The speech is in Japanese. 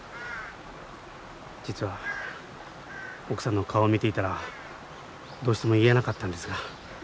実は奥さんの顔を見ていたらどうしても言えなかったんですが。